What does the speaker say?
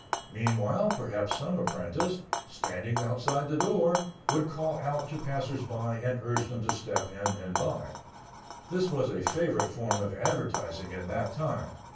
Meanwhile, perhaps some apprentice, standing outside the door, would call out to passers by and urge them to step in and buy. This was a favorite form of advertising in that time.